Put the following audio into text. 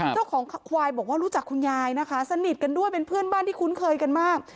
เจ้าของควายบอกว่ารู้จักคุณยายนะคะสนิทกันด้วยเป็นเพื่อนบ้านที่คุ้นเคยกันมาก